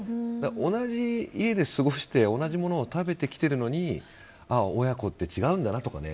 同じ家で過ごして同じものを食べてきてるのにああ、親子って違うんだなとかね。